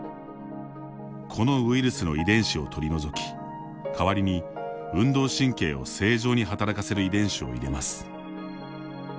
このウイルスの遺伝子を取り除きかわりに、運動神経を正常に働かせる遺伝子を入れます。